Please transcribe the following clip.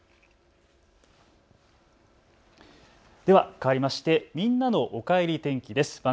ではかわりましてみんなのおかえり天気です。